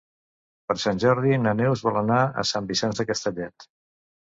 Per Sant Jordi na Neus vol anar a Sant Vicenç de Castellet.